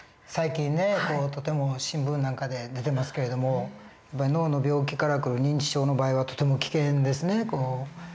最近ねとても新聞なんかで出てますけれども脳の病気から来る認知症の場合はとても危険ですね。